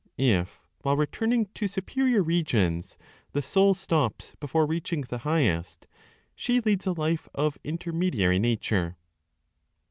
If, while returning to superior regions, the soul stops before reaching the highest, she leads a life of intermediary nature.